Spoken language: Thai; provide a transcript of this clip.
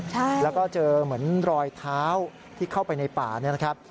ใช่แล้วก็เจอเหมือนรอยเท้าที่เข้าไปในป่าเนี่ยนะครับ